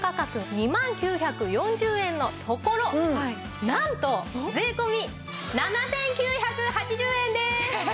２万９４０円のところなんと税込７９８０円です！